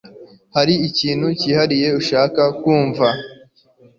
Hari ikintu cyihariye ushaka kumva